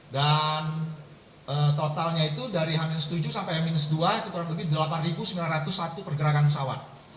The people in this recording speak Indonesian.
dan totalnya itu dari h tujuh sampai h dua itu kurang lebih delapan sembilan ratus satu pergerakan pesawat